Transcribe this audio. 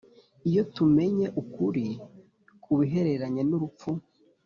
Iyo tumenye ukuri ku bihereranye n urupfu